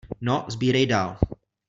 No, sbírej dál.